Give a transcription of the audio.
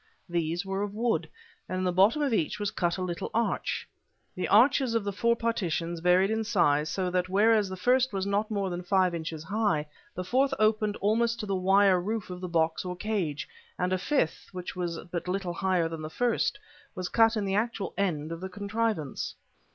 These were of wood, and in the bottom of each was cut a little arch. The arches in the four partitions varied in size, so that whereas the first was not more than five inches high, the fourth opened almost to the wire roof of the box or cage; and a fifth, which was but little higher than the first, was cut in the actual end of the contrivance.